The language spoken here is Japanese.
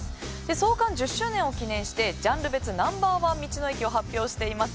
創刊１０周年を記念してジャンル別ナンバー１道の駅を発表しています。